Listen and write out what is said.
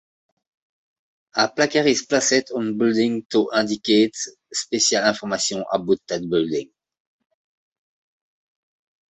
A placard is placed on a building to indicate special information about that building.